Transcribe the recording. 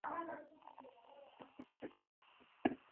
阿尔藏人口变化图示